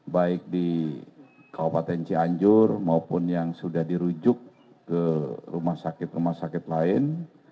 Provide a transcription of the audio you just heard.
baik di kabupaten cianjur maupun yang sudah dirujuk ke rumah sakit rumah sakit lain